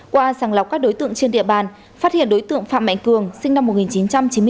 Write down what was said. qua sàng lọc các đối tượng trên địa bàn phát hiện đối tượng phạm mạnh cường sinh năm một nghìn chín trăm chín mươi bốn